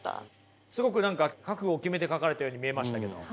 すごく何か覚悟を決めて書かれたように見えましたけども。